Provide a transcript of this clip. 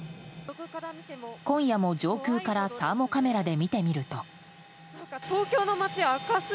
今夜も上空からサーモカメラで見てみると。